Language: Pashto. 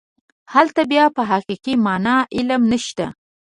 هلته بیا په حقیقي معنا علم نشته.